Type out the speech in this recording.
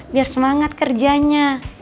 biar semangat kerjanya